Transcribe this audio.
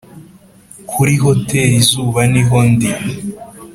kuri hoteri izuba niho ndi